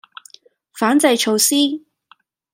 反制措施